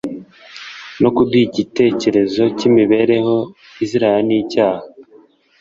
no kuduha icyitegererezo cy'imibereho izirana n'icyaha.